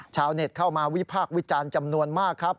ชาวเน็ตเข้ามาวิพากษ์วิจารณ์จำนวนมากครับ